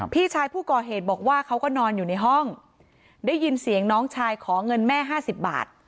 พี่ชายผู้ก่อเหตุบอกว่าเขาก็นอนอยู่ในห้องได้ยินเสียงน้องชายขอเงินแม่ห้าสิบบาท